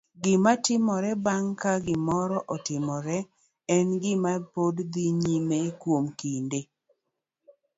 Gima timore bang' ka gimoro otimore, en gima pod dhi nyime kuom kinde.